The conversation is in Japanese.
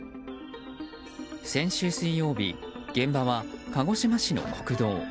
先週水曜日現場は鹿児島市の国道。